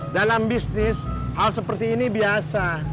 dalam bisnis hal seperti ini biasa